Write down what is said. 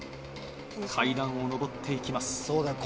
階段を上っていきます。